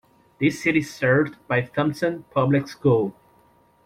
The city is served by Thompson Public School.